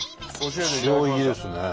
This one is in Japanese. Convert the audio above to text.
塩いいですね。